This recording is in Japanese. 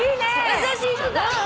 優しい人だ。